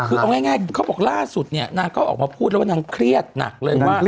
คือเอาง่ายเขาบอกล่าสุดเนี่ยนางก็ออกมาพูดแล้วว่านางเครียดหนักเลยว่า